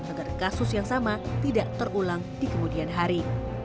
agar kasus yang sama tidak terulang di kemudian hari